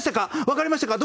わかりましたか？